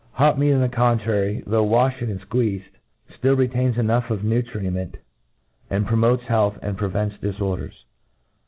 Hot meat, on the contrary^ though wafhen and fqueezed, (lill retains enough of nutriment, and promotes healthy aiid prevents diforders.